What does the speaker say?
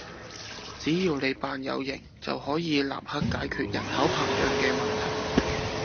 只要你扮有型，就可以立刻解決人口膨脹嘅問題